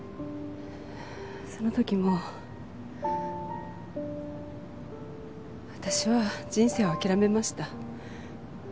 その時もう私は人生を諦めました。